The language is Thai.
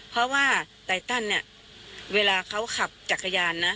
เพราะว่าไตตันเนี่ยเวลาเขาขับจักรยานนะ